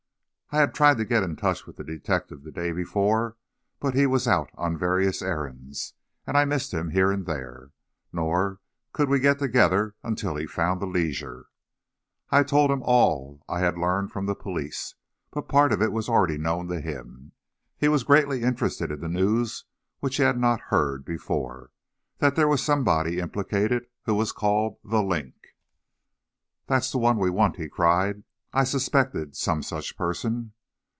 I had tried to get in touch with the detective the day before but he was out on various errands, and I missed him here and there, nor could we get together until he found this leisure. I told him all I had learned from the police, but part of it was already known to him. He was greatly interested in the news which he had not heard before, that there was somebody implicated, who was called "The Link." "That's the one we want!" he cried; "I suspected some such person."